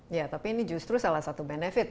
ya tapi ini justru salah satu benefit